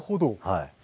はい。